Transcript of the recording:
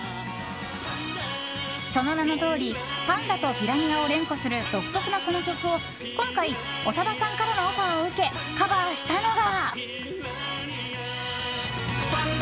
その名のとおりパンダとピラニアを連呼する独特なこの曲を今回、長田さんからのオファーを受けカバーしたのが。